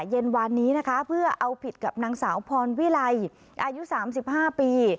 เย็นวานนี้นะคะเพื่อเอาผิดกับนางสาวพรวิไลอายุ๓๕ปี